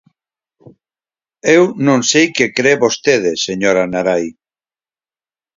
Eu non sei que cre vostede, señora Narai.